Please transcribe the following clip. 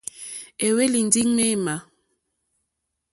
É hwélì ndí ŋmémà.